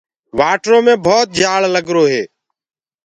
وآٽرو مي ڀَوت جآلگرو هي۔